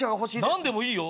何でもいいよ